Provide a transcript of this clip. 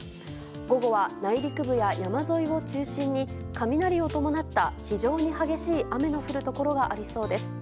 午後は内陸部や山沿いを中心に雷を伴った非常に激しい雨の降るところがありそうです。